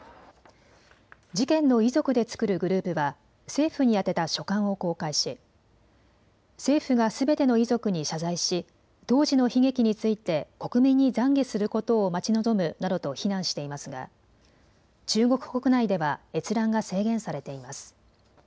事件の遺族で作るグループは政府に宛てた書簡を公開し政府がすべての遺族に謝罪し当時の悲劇について国民にざんげすることを待ち望むなどと非難していますが中国国内では閲覧が制限されています。